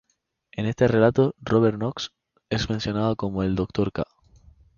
En este relato Robert Knox es mencionado como "el doctor K.".